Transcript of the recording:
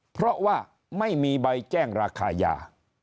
เพราะว่าไม่มีใบแจ้งราคายา